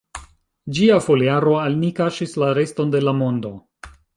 Ĝia foliaro al ni kaŝis la reston de la mondo.